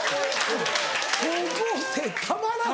高校生たまらない。